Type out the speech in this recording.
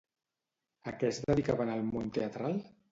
A què es dedicava en el món teatral?